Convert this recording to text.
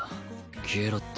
消えろって。